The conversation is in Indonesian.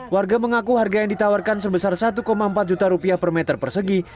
warga mengaku harga yang ditawarkan sebesar satu empat juta rupiah per meter persegi